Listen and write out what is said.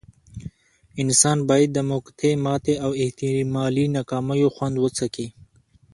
انسان بايد د موقتې ماتې او احتمالي ناکاميو خوند وڅکي.